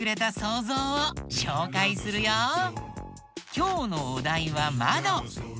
きょうのお題は「まど」。